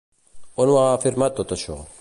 On ho ha afirmat tot això?